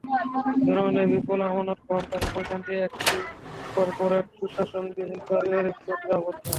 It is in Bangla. জনগণের বিপুল আমানত গ্রহণকারী প্রতিষ্ঠানটি একটি করপোরেট সুশাসনবিহীন পারিবারিক চক্রে আবদ্ধ।